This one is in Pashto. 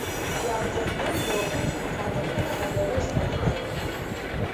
یو جنرال لیاخوف مخاطب کړ او د هغه ستاینه یې وکړه